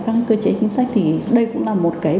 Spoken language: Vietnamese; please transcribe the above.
các cơ chế chính sách thì đây cũng là một cái